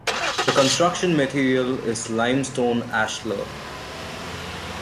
The construction material is limestone ashlar.